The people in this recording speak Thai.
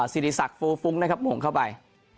ซีรีสักฟูลฟุ้งนะครับโหงเข้าไป